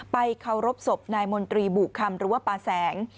เคารพศพนายมนตรีบุคำหรือว่าป่าแสง